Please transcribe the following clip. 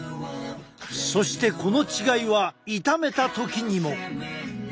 そしてこの違いは炒めた時にも。